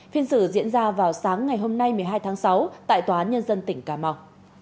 phiên xử diễn ra vào sáng ngày hôm nay một mươi hai tháng sáu tại tòa án nhân dân tỉnh cà mau